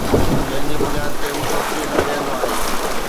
جنهن جي بنياد تي هو ڇوڪريءَ سان ويهندو آهي